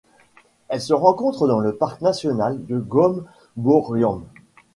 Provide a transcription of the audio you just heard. Elle se rencontre dans le parc national de Goomboorian.